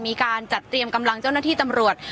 มีการจัดเตรียมกำลังเจ้าหน้าที่ตำรวจ